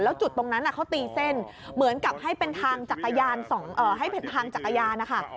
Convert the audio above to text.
แล้วจุดตรงนั้นเขาตีเส้นเหมือนกับให้เป็นทางจักรยาน